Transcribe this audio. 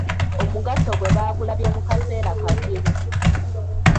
Omugaso gwe bagulabye mu kaseera kazibu.